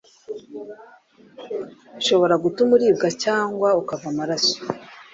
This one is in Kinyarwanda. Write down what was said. bishobora gutuma uribwa cyangwa ukava amaraso